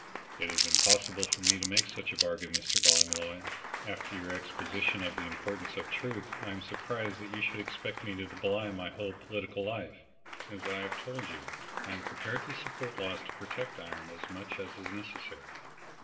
"It is impossible for me to make such a bargain, Mr. Ballymolloy. After your exposition of the importance of truth I am surprised that you should expect me to belie my whole political life. As I have told you, I am prepared to support laws to protect iron as much as is necessary.